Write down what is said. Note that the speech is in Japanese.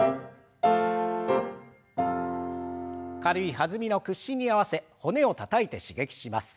軽い弾みの屈伸に合わせ骨をたたいて刺激します。